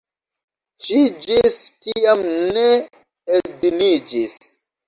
Ŝi ĝis tiam ne edziniĝis.